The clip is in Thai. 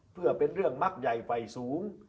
เพื่อเป็นเรื่องมักใหญ่ไฟสูง